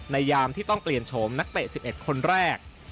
ยามที่ต้องเปลี่ยนโฉมนักเตะ๑๑คนแรก